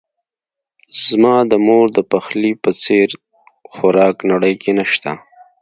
زما د مور دپخلی په څیر خوراک نړۍ کې نه شته